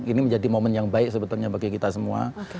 ini menjadi momen yang baik sebetulnya bagi kita semua